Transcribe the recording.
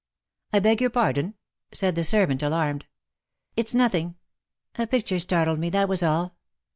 " I beg your pardon/^ said the servant,, alarmed. '^ It^s nothing. A picture startled me — that was all.